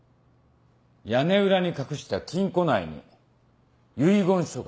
「屋根裏に隠した金庫内に遺言書がある」と。